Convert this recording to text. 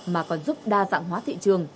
mà còn giúp đa dạng hóa thị trường